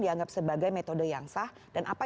dianggap sebagai metode yang sah dan apa